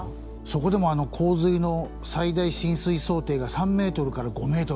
そこでも洪水の最大浸水想定が３ｍから５ｍ。